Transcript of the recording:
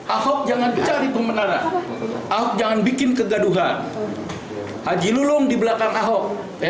ahok jangan cari pembenaran ahok jangan bikin kegaduhan haji lulung di belakang ahok